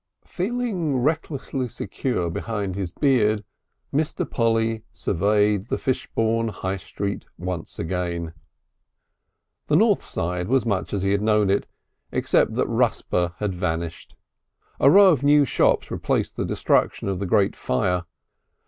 II Feeling recklessly secure behind his beard Mr. Polly surveyed the Fishbourne High Street once again. The north side was much as he had known it except that Rusper had vanished. A row of new shops replaced the destruction of the great fire.